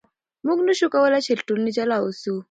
موږ نشو کولای له ټولنې جلا اوسو.